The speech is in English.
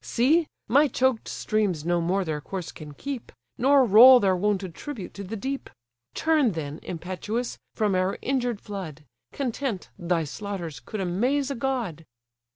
See! my choked streams no more their course can keep, Nor roll their wonted tribute to the deep. Turn then, impetuous! from our injured flood; Content, thy slaughters could amaze a god."